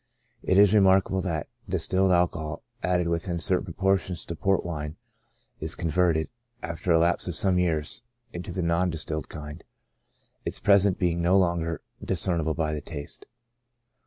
It is remarkable that distilled alcohol, added within certain proportions to Port wine, is converted, after a lapse of some years, into the non distilled kind, its presence being no longer discern ible by the taste.